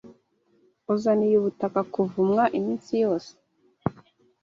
uzaniye ubutaka kuvumwa iminsi yose